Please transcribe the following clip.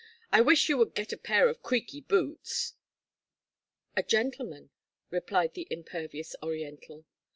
"I wish you would get a pair of creaky boots." "A gentleman," replied the impervious Oriental.